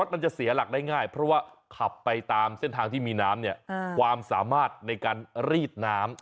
เป็นไปได้อีกวันจะเปลี่ยน